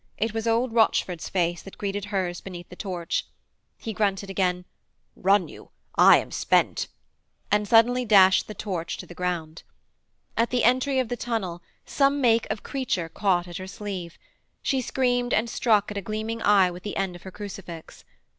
It was old Rochford's face that greeted hers beneath the torch. He grunted again, 'Run you; I am spent!' and suddenly dashed the torch to the ground. At the entry of the tunnel some make of creature caught at her sleeve. She screamed and struck at a gleaming eye with the end of her crucifix.